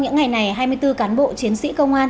những ngày này hai mươi bốn cán bộ chiến sĩ công an